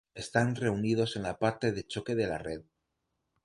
Están reunidos en la parte de choque de la red.